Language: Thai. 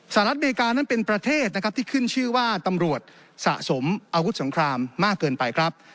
สหรัฐอเมริกานั้นเป็นประเทศนะครับที่ขึ้นชื่อว่าตำรวจสะสมอาวุธสงครามมากเกินไปครับ